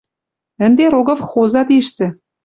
Ӹнде Рогов хоза тиштӹ